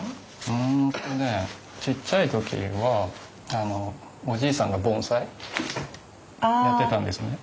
うんとねちっちゃい時はおじいさんが盆栽やってたんですね。